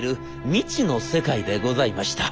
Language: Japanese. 未知の世界でございました。